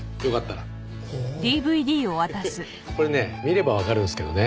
これね見ればわかるんですけどね